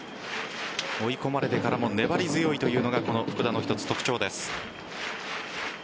追い込まれてからも粘り強いというのが福田の一つ特徴です。